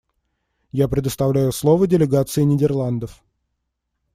Я предоставляю слово делегации Нидерландов.